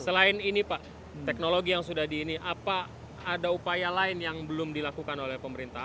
selain ini pak teknologi yang sudah di ini apa ada upaya lain yang belum dilakukan oleh pemerintah